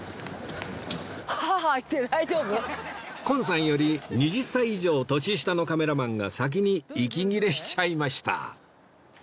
今さんより２０歳以上年下のカメラマンが先に息切れしちゃいました